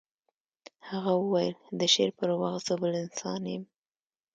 هغه وویل د شعر پر وخت زه بل انسان یم